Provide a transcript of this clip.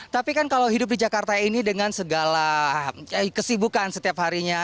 tapi kan kalau hidup di jakarta ini dengan segala kesibukan setiap harinya